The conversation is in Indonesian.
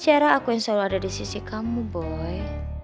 syarah aku yang selalu ada di sisi kamu boy